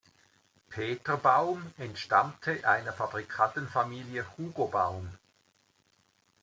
Peter Baum entstammte einer Fabrikantenfamilie Hugo Baum.